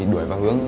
đuổi vào hướng